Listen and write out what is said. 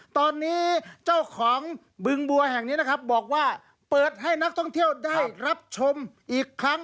ตอนนี้เจ้าของบึงบัวแห่งนี้นะครับบอกว่าเปิดให้นักท่องเที่ยวได้รับชมอีกครั้ง